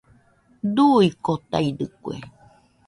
Duuikotaidɨkue